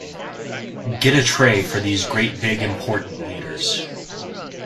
Get a tray for these great big important leaders.